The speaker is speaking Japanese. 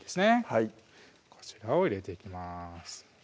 はいこちらを入れていきます